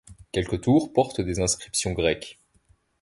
Quelques tours portent des inscriptions grecques.